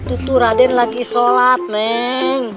itu tuh raden lagi sholat neng